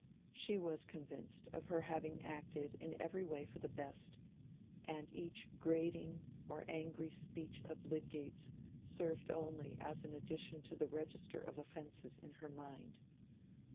She was convinced of her having acted in every way for the best; and each grating or angry speech of Lydgate's served only as an addition to the register of offences in her mind.